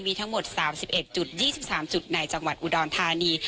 มีทั้งหมด๓๑๒๓จุดในจังหวัดอุดรธานี